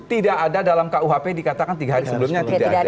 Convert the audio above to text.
tidak ada dalam kuhp dikatakan tiga hari sebelumnya tidak